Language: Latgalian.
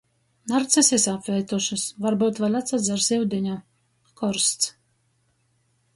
Narcisis apveitušys, varbyut vēļ atsadzers iudiņa. Korsts